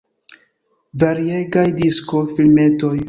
Variegaj disko-filmetoj.